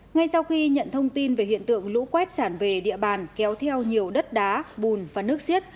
ngay sau khi nhận thông tin về hiện tượng lũ quét tràn về địa bàn kéo theo nhiều đất đá bùn và nước xiết